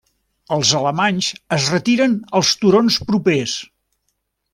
Els alemanys es retiren als turons propers.